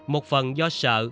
một phần do sợ